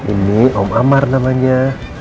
ini om amar namanya